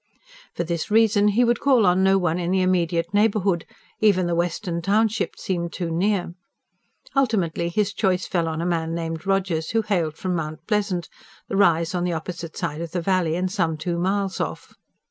For this reason he would call in no one in the immediate neighbourhood even the western township seemed too near. Ultimately, his choice fell on a man named Rogers who hailed from Mount Pleasant, the rise on the opposite side of the valley and some two miles off.